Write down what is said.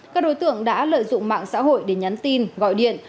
các đối tượng đã lợi dụng mạng xã hội để nhắn tin gọi điện